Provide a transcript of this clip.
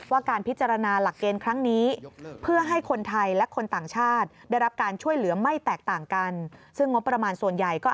ว่าการพิจารณาหลักเกณฑ์ครั้งนี้